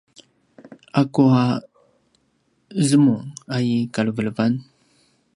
akua zemung a i kalevelevan?